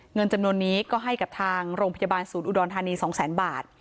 เงินจำนวนนี้ก็ให้กับทางโรงพยาบาลศูนย์อุดรธานี๒แสนบาท